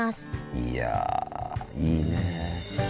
いやいいねえ。